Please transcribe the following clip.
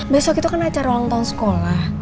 besok itu kan acara ulang tahun sekolah